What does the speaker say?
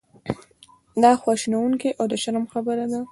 دا خواشینونکې او د شرم خبره ده.